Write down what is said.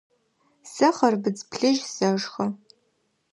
Сэ хъырбыдз плъыжь сэшхы.